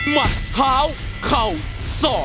มัดท้าวเข่าส่อ